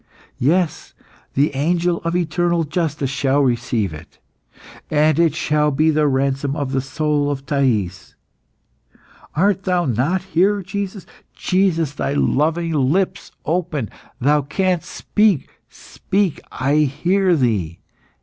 Yes, the angel of eternal justice shall receive it, and it shall be the ransom of the soul of Thais. Art Thou not here, Jesus? Jesus, Thy loving lips open. Thou canst speak; speak, I hear Thee!